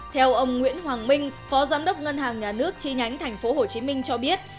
theo ông nguyễn hoàng minh phó giám đốc ngân hàng nhà nước chi nhánh tp hcm cho biết